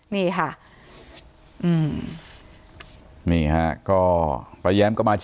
ที่มีข่าวเรื่องน้องหายตัว